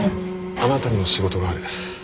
あなたにも仕事がある。